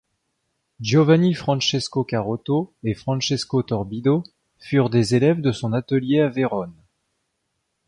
Giovanni Francesco Caroto et Francesco Torbido furent des élèves de son atelier à Vérone.